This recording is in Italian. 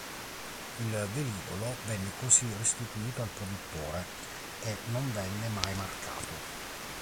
Il velivolo venne così restituito al produttore e non venne mai marcato.